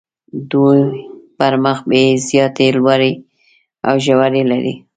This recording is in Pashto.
دوی پر مخ یې زیاتې لوړې او ژورې لري.